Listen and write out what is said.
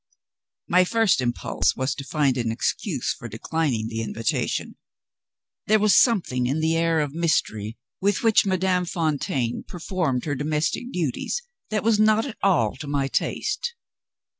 My first impulse was to find an excuse for declining the invitation. There was something in the air of mystery with which Madame Fontaine performed her domestic duties that was not at all to my taste.